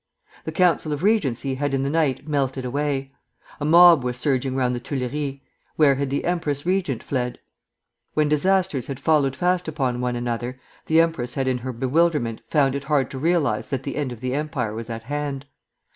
The Council of Regency had in the night melted away. A mob was surging round the Tuileries. Where had the empress regent fled? When disasters had followed fast upon one another, the empress had in her bewilderment found it hard to realize that the end of the empire was at hand.